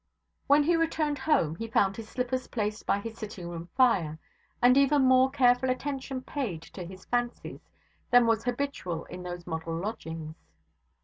When he returned home, he found his slippers placed by his sitting room fire; and even more careful attention paid to his fancies than was habitual in those model lodgings.